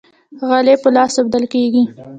غالۍ په لاس اوبدل کیږي.